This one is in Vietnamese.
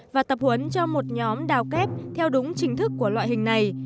và tập huấn cho một nhóm đào kép theo đúng chính thức của loại hình này